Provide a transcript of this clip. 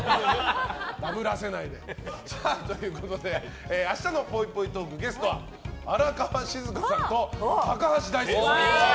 だぶらせないで。ということで明日のぽいぽいトーク、ゲストは荒川静香さんと高橋大輔さん。